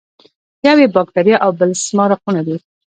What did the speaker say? یو یې باکتریا او بل سمارقونه دي.